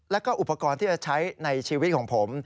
แล้วก็อุปกรณ์ที่จะใช้ในชีวิตของผม